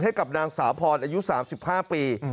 ให้กับนางสาวพรอายุ๓๕ปี